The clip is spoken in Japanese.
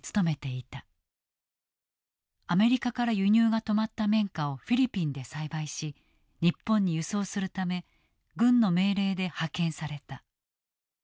アメリカから輸入が止まった綿花をフィリピンで栽培し日本に輸送するため軍の命令で派遣された。